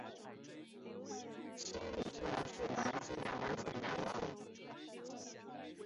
仙侣县是越南兴安省下辖的一个县。